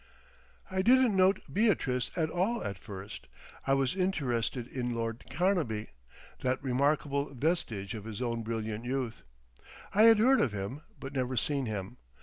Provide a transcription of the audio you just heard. I didn't note Beatrice at all at first. I was interested in Lord Carnaby, that remarkable vestige of his own brilliant youth. I had heard of him, but never seen him.